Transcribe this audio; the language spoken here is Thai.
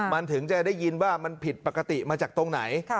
มันถึงจะได้ยินว่ามันผิดปกติมาจากตรงไหน